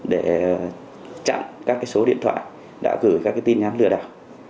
để chặn các số điện thoại đã gửi các tin nhắn lừa đảo